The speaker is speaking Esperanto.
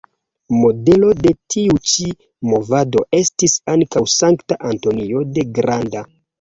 Modelo de tiu ĉi movado estis ankaŭ Sankta Antonio la Granda.